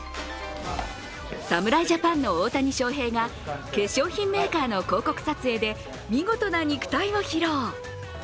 侍ジャパンの大谷翔平が化粧品メーカーの広告撮影で見事な肉体を披露。